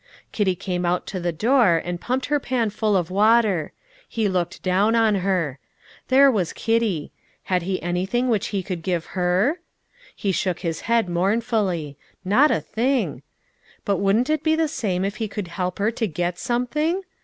Kitty came out to the door, and pumped her pan full of water. He looked down on her. There was Kitty; had he anything which he could give her? He shook his head mournfully; not a thing. But wouldn't it be the same if he could help her to get something?